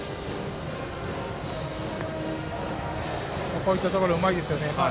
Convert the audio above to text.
こういったところうまいですよね。